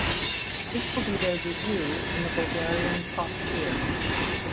This will be their debut in the Bulgarian top tier.